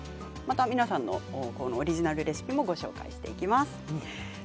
皆さんのオリジナルレシピもご紹介していきます。